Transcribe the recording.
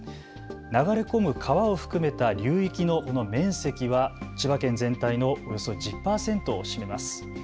流れ込む川を含めた流域の面積は千葉県全体のおよそ１０％を占めます。